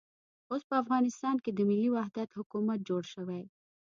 اوس په افغانستان کې د ملي وحدت حکومت جوړ شوی.